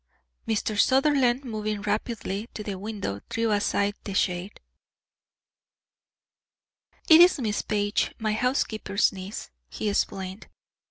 Mr. Sutherland, moving rapidly to the window, drew aside the shade. "It is Miss Page, my housekeeper's niece," he explained.